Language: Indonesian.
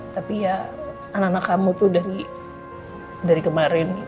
tapi ya anak anak kamu tuh dari kemarin